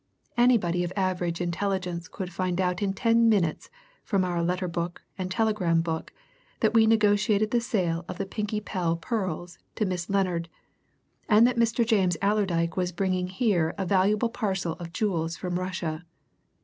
Anybody of average intelligence could find out in ten minutes from our letter book and telegram book that we negotiated the sale of the Pinkie Pell pearls to Miss Lennard, and that Mr. James Allerdyke was bringing here a valuable parcel of jewels from Russia.